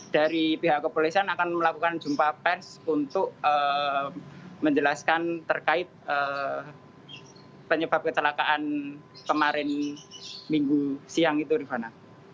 dari pihak kepolisian akan melakukan jumpa pers untuk menjelaskan terkait penyebab kecelakaan kemarin minggu siang itu rifana